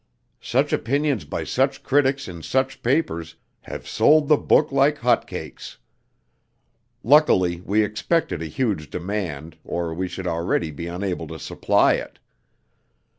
Such opinions by such critics in such papers have sold the book like hot cakes. Luckily we expected a huge demand, or we should already be unable to supply it.